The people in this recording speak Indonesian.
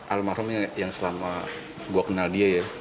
almarhumnya yang selama gue kenal dia ya